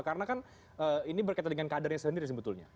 karena kan ini berkaitan dengan kadernya sendiri sebetulnya